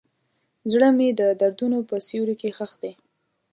زړه مې د دردونو په سیوري کې ښخ دی.